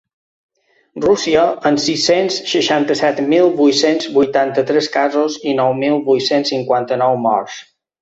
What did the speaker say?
Rússia, amb sis-cents seixanta-set mil vuit-cents vuitanta-tres casos i nou mil vuit-cents cinquanta-nou morts.